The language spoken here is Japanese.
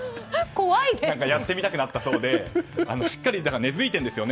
やってみたくなったそうでしっかり根付いていますね。